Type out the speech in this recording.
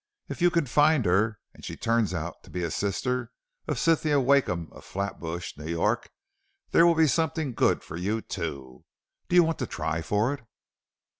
If you can find her, and she turns out to be a sister of Cynthia Wakeham, of Flatbush, New York, there will be something good for you too. Do you want to try for it?"